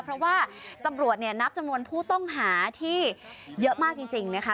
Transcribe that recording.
เพราะว่าตำรวจเนี่ยนับจำนวนผู้ต้องหาที่เยอะมากจริงนะคะ